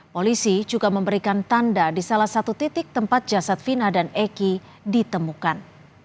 polisi juga memberikan tanda di salah satu titik tempat jasad fina dan eki ditemukan